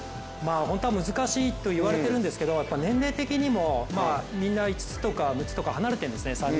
本当は難しいといわれているんですけど年齢的にも３人が５つとか６つとか離れてるんですね。